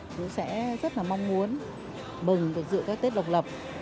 chúng ta sẽ rất là mong muốn mừng được dựa các tết độc lập